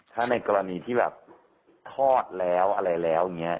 ถ้าในกรณีที่แบบทอดแล้วอะไรแล้วอย่างนี้